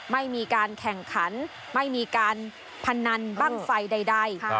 ไม่มีการแข่งขันไม่มีการพนันบ้างไฟใด